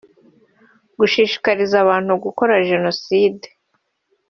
gushishikariza abantu gukora Jenoside